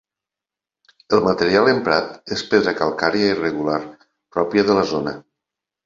El material emprat és pedra calcària irregular pròpia de la zona.